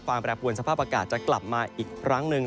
แปรปวนสภาพอากาศจะกลับมาอีกครั้งหนึ่ง